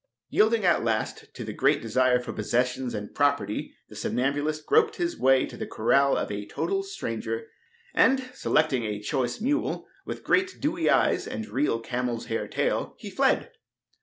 Yielding at last to the great desire for possessions and property the somnambulist groped his way to the corral of a total stranger, and selecting a choice mule with great dewy eyes and real camel's hair tail, he fled.